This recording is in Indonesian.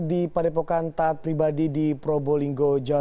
di padepokan taat pribadi di probolinggo jawa